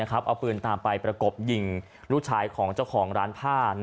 เอาปืนตามไปประกบยิงลูกชายของเจ้าของร้านผ้า